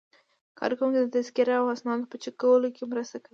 کارکوونکي د تذکرې او اسنادو په چک کولو کې مرسته کوي.